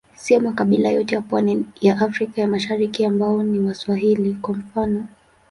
Siyo makabila yote ya pwani ya Afrika ya Mashariki ambao ni Waswahili, kwa mfano.